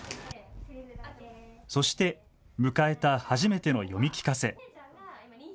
そして迎えた初めての読み聞かせ。